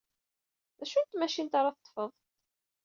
D acu n tmacint ara teḍḍfeḍ?